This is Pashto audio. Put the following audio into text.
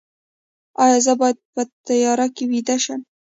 ایا زه باید په تیاره کې ویده شم؟